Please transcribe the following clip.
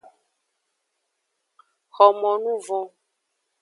Xomonuvon.